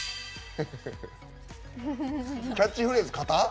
キャッチフレーズ、肩？